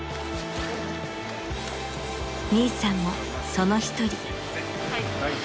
［ミイさんもその一人］